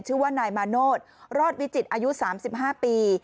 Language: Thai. ชื่อว่านายมาโนธรอดวิจิตรอายุสามสิบห้าปี